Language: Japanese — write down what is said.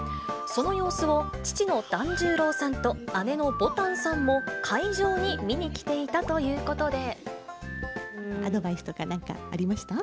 その様子を、父の團十郎さんと姉のぼたんさんも会場に見に来ていたということアドバイスとか、なんかありました？